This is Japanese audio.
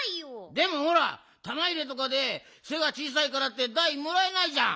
でもほらたまいれとかでせがちいさいからってだいもらえないじゃん。